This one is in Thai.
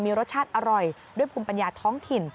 มีรสชาติอร่อยด้วยภูมิปัญญาท้องถิ่น